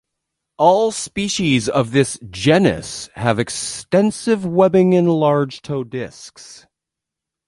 All species of this genus have extensive webbing and large toe discs.